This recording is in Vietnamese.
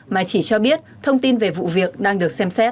mà chỉ cho biết thông tin về vụ việc đang được xem xét